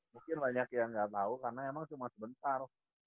mungkin banyak yang nggak tahu karena emang cuma sebentar